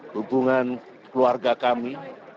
hubungan keluarga kami